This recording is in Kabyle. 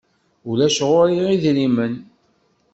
Ulac ɣur-i idrimen.